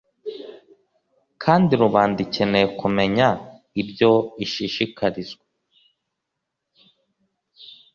kandi rubanda ikeneye kumenya ibyo ishishikarizwa.